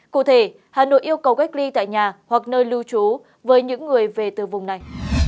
cụ thể hà nội yêu cầu cách ly tại nhà hoặc nơi lưu trú với những người về từ vùng này